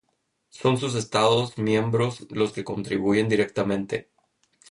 Son sus Estados miembros los que contribuyen directamente.